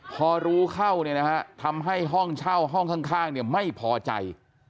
พอรู้เข้าเนี่ยนะฮะทำให้ห้องเช่าห้องข้างไม่พอใจ